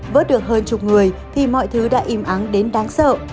vớt được hơn chục người thì mọi thứ đã im ắng đến đáng sợ